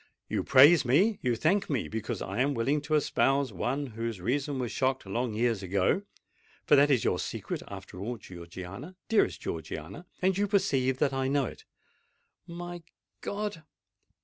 You praise me—you thank me, because I am willing to espouse one whose reason was shocked long years ago;—for that is your secret, after all, Georgiana—dearest Georgiana;—and you perceive that I know it!" "My God!